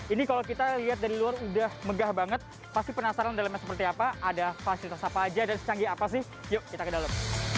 ini kalau kita lihat dari luar udah megah banget pasti penasaran dalamnya seperti apa ada fasilitas apa aja dan secanggih apa sih yuk kita ke dalam